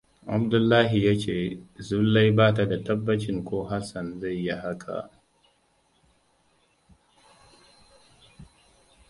Abdullahi ya ce Zulai ba ta da tabbacin ko Hassan zai yi haka.